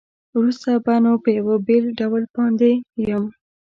وروسته به نو په یوه بېل ډول باندې یم.